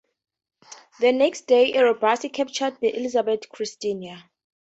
The next day "Erebus" captured the "Elizabeth Christina".